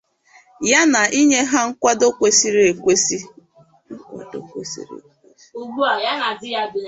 ya na inye ha nkwàdo kwesiri ekwesi